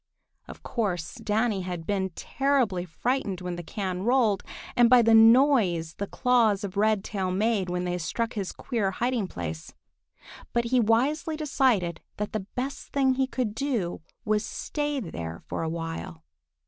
Of course Danny had been terribly frightened when the can rolled, and by the noise the claws of Redtail made when they struck his queer hiding place. But he wisely decided that the best thing he could do was to stay there for a while.